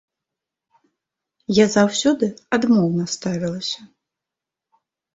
Я заўсёды адмоўна ставілася.